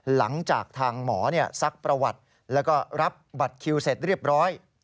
หลังจากทางหมอซักประวัติแล้วก็รับบัตรคิวเสร็จเรียบร้อย